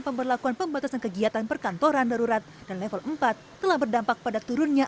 pemberlakuan pembatasan kegiatan perkantoran darurat dan level empat telah berdampak pada turunnya